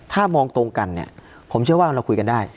ถ้ามองตรงกันเนี่ยผมเชื่อว่าเราคุยกันได้